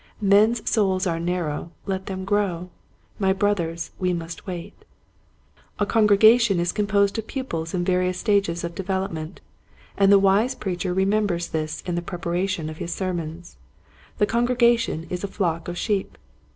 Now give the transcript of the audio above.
" Men's souls are narrow ; let them grow, My brothers, we must wait." A congregation is composed of pupils in various stages of development, and the wise preacher remembers this in the prep aration of his sermons. The congregation is a flock of sheep.